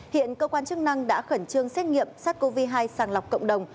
hiện cơ quan chức năng đã khẩn trương xét nghiệm sars cov hai sàng lọc cộng đồng